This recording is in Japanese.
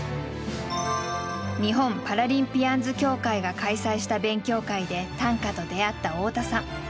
日本パラリンピアンズ協会が開催した勉強会で短歌と出会った太田さん。